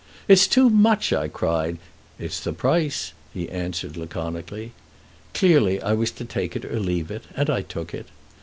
"It's too much," I cried. "It's the price," he answered, laconically. Clearly I was to take it or leave it, and I took it.